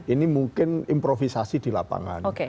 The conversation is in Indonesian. ini mungkin improvisasi di lapangan